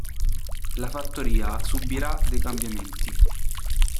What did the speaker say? La fattoria subirà dei cambiamenti.